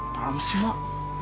paham sih mak